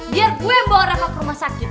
biar gue bawa reva ke rumah sakit